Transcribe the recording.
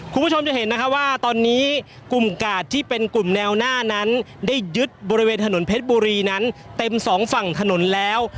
คุณผู้ชมจะเห็นนะคะว่าตอนนี้กลุ่มกาดที่เป็นกลุ่มแนวหน้านั้นได้ยึดบริเวณถนนเพชรบุรีนั้นเต็มสองฝั่งถนนแล้ว